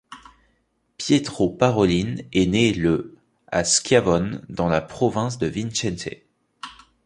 Pietro Parolin est né le à Schiavon, dans la province de Vicence.